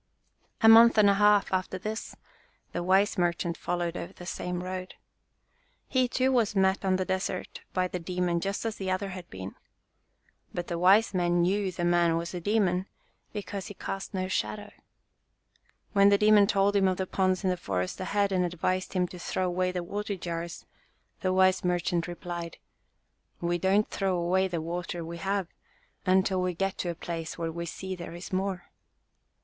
A month and a half after this the wise merchant followed over the same road. He, too, was met on the desert by the demon just as the other had been. But the wise man knew the man was a demon because he cast no shadow. When the demon told him of the ponds in the forest ahead and advised him to throw away the water jars the wise merchant replied, "We don't throw away the water we have until we get to a place where we see there is more."